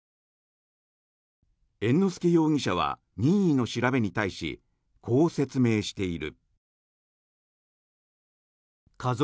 猿之助容疑者は任意の調べに対しこう説明している。